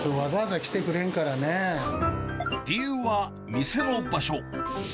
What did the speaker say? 理由は、店の場所。